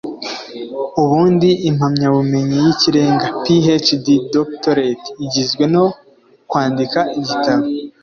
“ubundi impamyabumenyi y’ikirenga (PhD/Doctorat) igizwe no kwandika igitabo